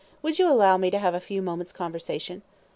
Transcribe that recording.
"Would you allow me to have a few moments' conversation?"